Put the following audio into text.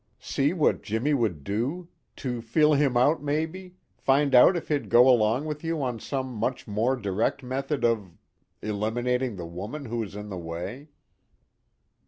See what Jimmy would do? To feel him out maybe, find out if he'd go along with you on some much more direct method of eliminating the woman who was in the way?"